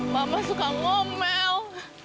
mama suka ngomel